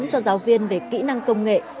cho giáo viên về kỹ năng công nghệ